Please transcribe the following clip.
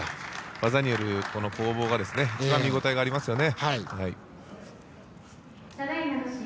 技による攻防が一番、見応えがありますよね。